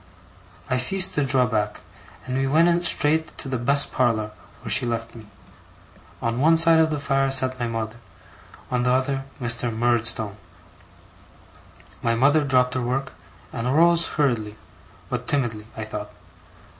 I ceased to draw back, and we went straight to the best parlour, where she left me. On one side of the fire, sat my mother; on the other, Mr. Murdstone. My mother dropped her work, and arose hurriedly, but timidly I thought.